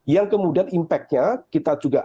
yang kemudian impact nya kita juga